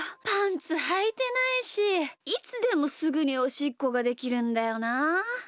パンツはいてないしいつでもすぐにおしっこができるんだよなあ。